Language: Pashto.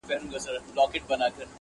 زه دي يو ځلي پر ژبه مچومه؛